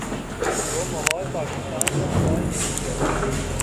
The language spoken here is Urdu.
وہ ماحول پاکستان کا ماحول نہیں ہے۔